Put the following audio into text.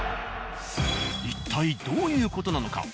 一体どういう事なのか。